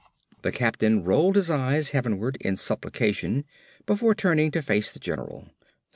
The captain rolled his eyes heavenward in supplication before turning to face the general.